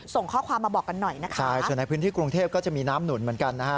ส่งข้อความมาบอกกันหน่อยนะคะใช่ส่วนในพื้นที่กรุงเทพก็จะมีน้ำหนุนเหมือนกันนะฮะ